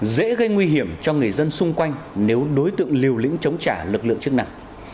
dễ gây nguy hiểm cho người dân xung quanh nếu đối tượng liều lĩnh chống trả lực lượng chức năng